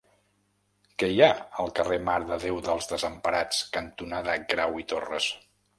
Què hi ha al carrer Mare de Déu dels Desemparats cantonada Grau i Torras?